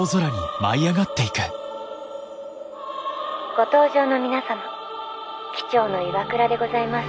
「ご搭乗の皆様機長の岩倉でございます。